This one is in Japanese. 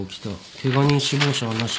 ケガ人死亡者はなし。